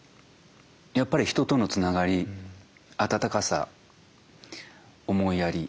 やっぱり人とのつながり温かさ思いやり。